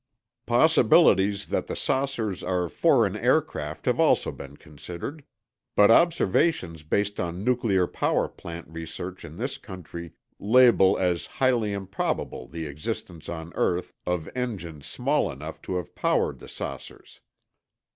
_ _"Possibilities that the saucers are foreign aircraft have also been considered. ... But observations based on nuclear power plant research in this country label as 'highly improbable' the existence on Earth of engines small enough to have Powered the saucers.